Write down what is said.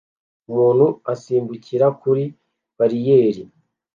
Umuntu asimbukira kuri bariyeri